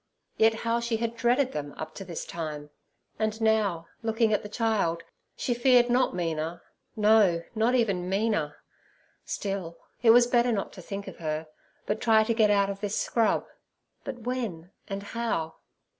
Yet how she had dreaded them up to this time! And now, looking at the child, she feared not Mina—no, not even Mina. Still, it was better not to think of her, but try to get out of this scrub; but when and how?